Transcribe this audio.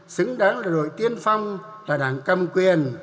xứng đáng là đội tiên phong là đảng cầm quyền